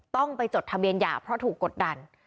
ต้องไปจดทะเบียนหย่าเพราะถูกกดดัน